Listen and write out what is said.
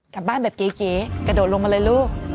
กลับบ้านแบบเก๋กระโดดลงมาเลยลูก